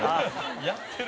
やってる。